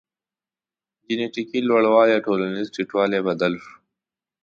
جنټیکي لوړوالی ټولنیز ټیټوالی بدل شو.